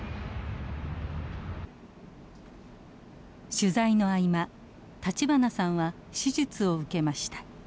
取材の合間立花さんは手術を受けました。